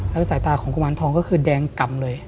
แล้วสายตาของกุมารทองก็คือแดงกำเลย